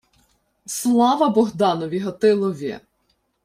— Слава Богданові Гатилові!